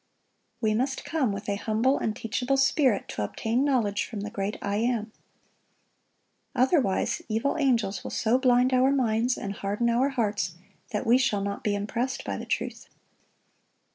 We must come with a humble and teachable spirit to obtain knowledge from the great I AM. Otherwise, evil angels will so blind our minds and harden our hearts that we shall not be impressed by the truth.